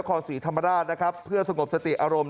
พศธรรมดาเพื่อสงบสติอารมณ์